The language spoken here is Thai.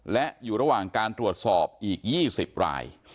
และอยู่ระหว่างการตรวจสอบอีก๒๐ราย